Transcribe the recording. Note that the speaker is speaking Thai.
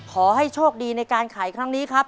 ขอให้โชคดีในการขายครั้งนี้ครับ